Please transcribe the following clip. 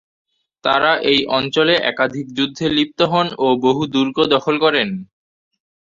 তারা এই অঞ্চলে একাধিক যুদ্ধে লিপ্ত হন ও বহু দুর্গ দখল করেন।